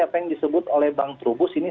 apa yang disebut oleh bang trubus ini